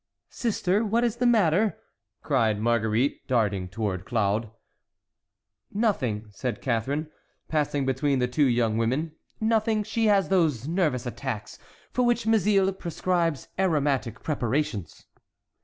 "Sister, what is the matter?" cried Marguerite, darting toward Claude. "Nothing," said Catharine, passing between the two young women, "nothing; she has those nervous attacks, for which Mazille prescribes aromatic preparations."